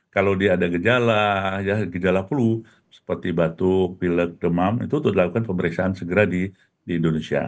kalau dia ada gejala gejala flu seperti batuk pilek demam itu untuk dilakukan pemeriksaan segera di indonesia